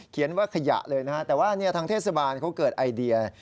ว่าขยะเลยนะฮะแต่ว่าทางเทศบาลเขาเกิดไอเดีย